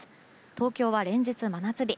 東京は連日、真夏日。